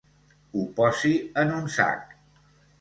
Ho posi en un sac.